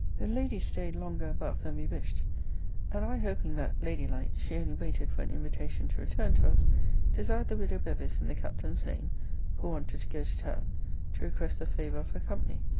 ] The lady staid longer above than we wished; and I hoping that (lady like) she only waited for an invitation to return to us, desired the widow Bevis, in the Captain's name, (who wanted to go to town,) to request the favour of her company.